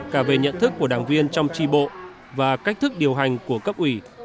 cả về nhận thức của đảng viên trong tri bộ và cách thức điều hành của cấp ủy